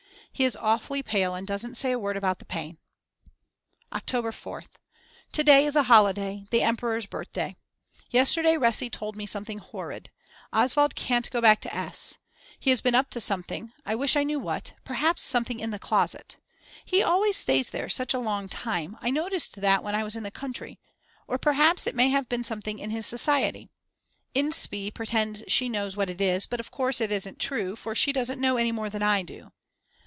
He is awfully pale and doesn't say a word about the pain. October 4th. To day is a holiday, the emperor's birthday. Yesterday Resi told me something horrid. Oswald can't go back to S. He has been up to something, I wish I knew what, perhaps something in the closet. He always stays there such a long time, I noticed that when I was in the country. Or perhaps it may have been something in his society. Inspee pretends she knows what it is but of course it isn't true, for she doesn't know any more than I do.